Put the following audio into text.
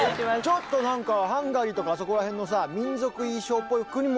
ちょっとなんかハンガリーとかあそこら辺のさ民族衣装っぽくにも見える。